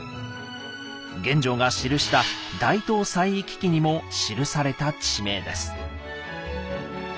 玄奘が記した「大唐西域記」にも記された地名です。